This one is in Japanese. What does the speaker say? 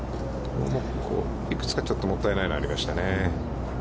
桃子、幾つかちょっともったいないのありましたね。